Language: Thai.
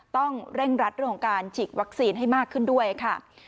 ต้องเร่งรัดเรื่องของการฉีดวัคซีนให้มากขึ้นด้วยค่ะ